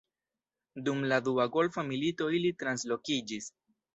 Dum la Dua Golfa Milito ili translokiĝis.